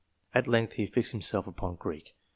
At length he fixed himself upon Greek.